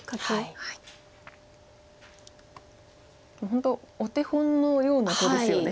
本当お手本のような碁ですよね。